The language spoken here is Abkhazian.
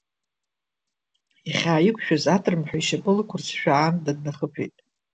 Иахьааиқәшәаз, атрымҳәа, ишьапы лықәырсшәа, аанда днахыԥеит.